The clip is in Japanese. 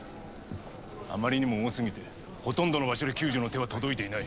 あまりにも多すぎてほとんどの場所で救助の手は届いていない。